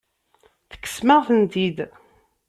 Tekksem-aɣ-tent-id.